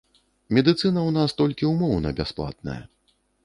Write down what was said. Медыцына ў нас толькі ўмоўна бясплатная.